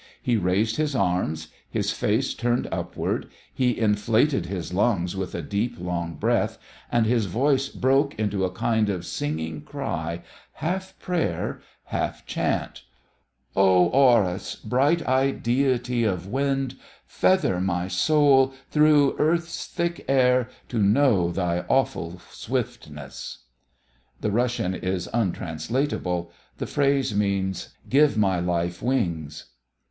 He raised his arms; his face turned upward; he inflated his lungs with a deep, long breath, and his voice broke into a kind of singing cry, half prayer, half chant: "O Horus, Bright eyed deity of wind, Feather my soul Though earth's thick air, To know thy awful swiftness " The Russian is untranslatable. The phrase means, "Give my life wings."